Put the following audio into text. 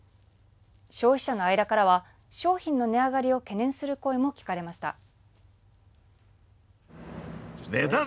消費者の間からは商品の値上がりを懸念する声も聞かれました。